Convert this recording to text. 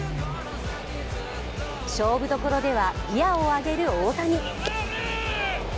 勝負どころではギヤを上げる大谷。